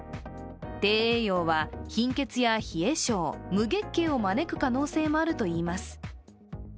低栄養は貧血や冷え性、無月経を招く可能性もあるといいます。